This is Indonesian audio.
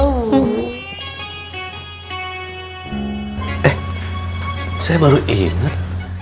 eh saya baru inget